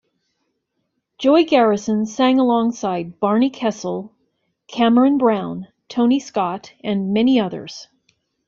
Joy Garrison sang alongside Barney Kessel, Cameron Brown, Tony Scott and many others.